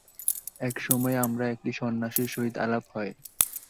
এক সময়ে আমার একটি সন্ন্যাসীর সহিত আলাপ হয়।